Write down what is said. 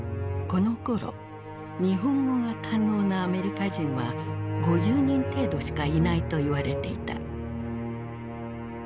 このころ日本語が堪能なアメリカ人は５０人程度しかいないと言われていた。